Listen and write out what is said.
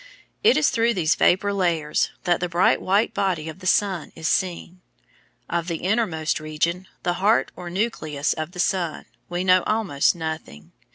It is through these vapour layers that the bright white body of the sun is seen. Of the innermost region, the heart or nucleus of the sun, we know almost nothing.